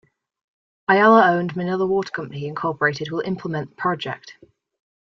Ayala-owned Manila Water Company Incorporated will implement the project.